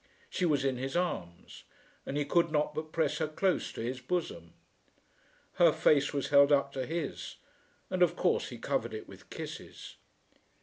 She was in his arms and he could not but press her close to his bosom. Her face was held up to his, and of course he covered it with kisses.